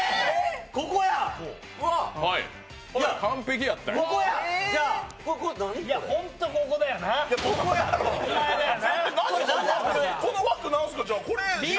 完璧やったのよ。